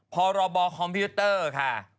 พรบคอมพิวเตอร์ค่ะ